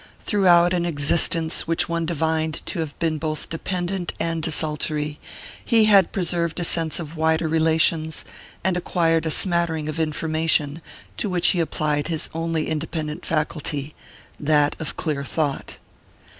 Throughout an existence which one divined to have been both dependent and desultory, he had preserved a sense of wider relations and acquired a smattering of information to which he applied his only independent faculty, that of clear thought.